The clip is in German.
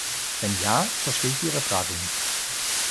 Wenn ja, verstehe ich Ihre Frage nicht.